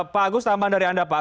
pak agus tambahan dari anda pak